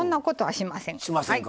しませんか。